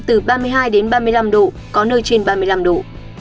từ ba mươi hai đến ba mươi năm độ có nơi trên ba mươi năm độ